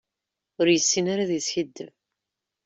Ur yessin ara ad yeskiddeb.